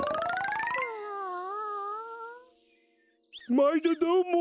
まいどどうも！